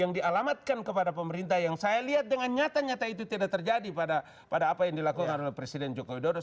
yang dialamatkan kepada pemerintah yang saya lihat dengan nyata nyata itu tidak terjadi pada apa yang dilakukan oleh presiden joko widodo